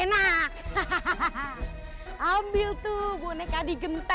lah kalo mereka itu produk unggulan